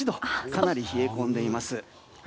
かなり冷え込んでいます。